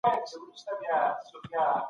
ویل دا تعویذ دي